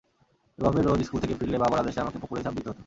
এভাবে রোজ স্কুল থেকে ফিরলে বাবার আদেশে আমাকে পুকুরে ঝাঁপ দিতে হতো।